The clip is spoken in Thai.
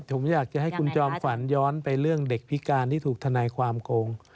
ผมอยากจะให้คุณจอมขวัญย้อนไปเรื่องเด็กพิการที่ถูกทนายความโกง